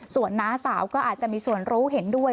ส่วนน้าสาวก็อาจจะมีส่วนรู้เห็นด้วย